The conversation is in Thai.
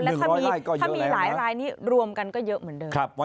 แล้วถ้ามีหลายรายนี้รวมกันก็เยอะเหมือนเดิม